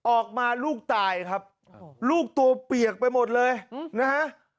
ออกมาลูกตายครับลูกตัวเปียกไปหมดเลยนะฮะ